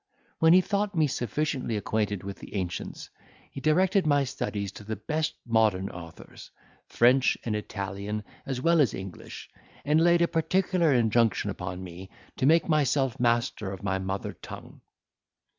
When he thought me sufficiently acquainted with the ancients, he directed my studies to the best modern authors, French and Italian as well as English, and laid a particular injunction upon me make myself master of my mother tongue.